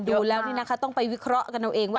ดูแล้วนี่นะคะต้องไปวิเคราะห์กันเอาเองว่า